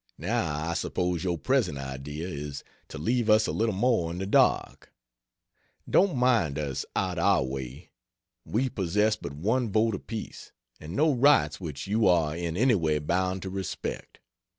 Now I suppose your present idea is, to leave us a little more in the dark. Don't mind us out our way; we possess but one vote apiece, and no rights which you are in any way bound to respect.